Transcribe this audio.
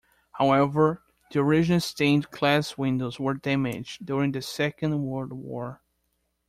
However, the original stained glass windows were damaged during the Second World War.